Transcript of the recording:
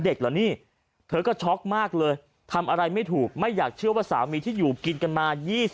เหรอนี่เธอก็ช็อกมากเลยทำอะไรไม่ถูกไม่อยากเชื่อว่าสามีที่อยู่กินกันมา๒๐